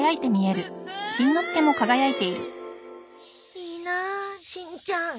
いいなあしんちゃん。